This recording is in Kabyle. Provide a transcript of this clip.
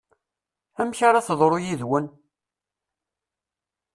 Amek ara teḍru yid-wen?